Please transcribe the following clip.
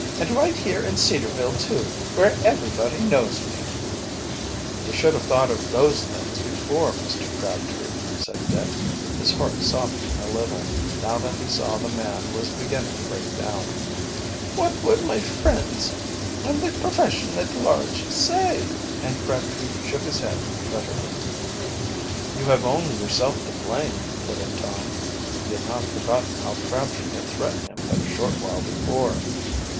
"And right here in Cedarville, too, where everybody knows me!" "You should have thought of those things before, Mr. Crabtree," said Dick, his heart softening a little, now that he saw the man was beginning to break down. "What will my friends, and the profession at large, say?" and Crabtree shook his head bitterly. "You have only yourself to blame," put in Tom. He had not forgotten how Crabtree had threatened him but a short while before.